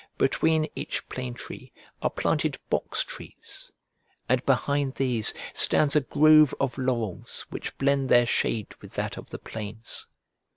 Between each plane tree are planted box trees, and behind these stands a grove of laurels which blend their shade with that of the planes.